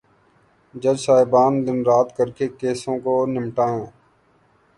جج صاحبان دن رات کر کے کیسوں کو نمٹائیں۔